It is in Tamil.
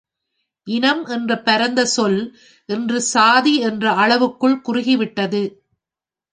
இனம் என்ற பரந்த சொல் இன்று சாதி என்ற அளவுக்குள் குறுகிவிட்டது.